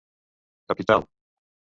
Capital!